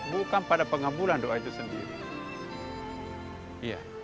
bukan pada pengambulan doa itu sendiri